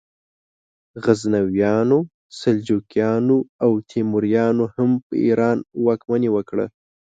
غزنویانو، سلجوقیانو او تیموریانو هم په ایران واکمني وکړه.